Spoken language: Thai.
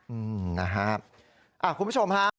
อืมนะครับคุณผู้ชมค่ะ